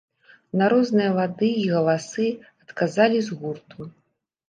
На розныя лады й галасы адказалі з гурту.